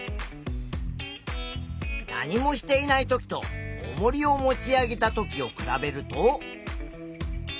何もしていないときとおもりを持ち上げたときを比べると。